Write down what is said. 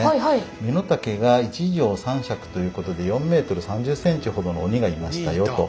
身の丈が一丈三尺ということで４ｍ３０ｃｍほどの鬼がいましたよと。